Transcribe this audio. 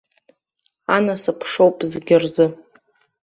Анасыԥ шоуп зегьы рзы.